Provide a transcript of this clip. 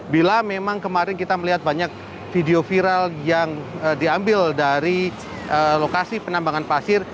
bila memang kemarin kita melihat banyak video viral yang diambil dari lokasi penambangan pasir